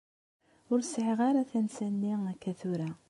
Ur sɛiɣ ara tansa-nni akka tura.